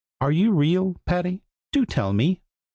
Are you real, Patty? do tell me!"